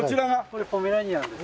これポメラニアンです。